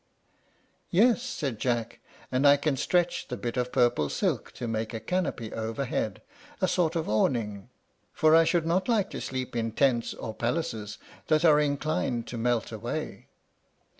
"Yes," said Jack; "and I can stretch the bit of purple silk to make a canopy over head, a sort of awning, for I should not like to sleep in tents or palaces that are inclined to melt away."